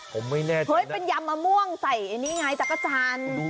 ผมไม่แน่ใจเฮ้ยเป็นยำมะม่วงใส่อันนี้ไงจักรจันทร์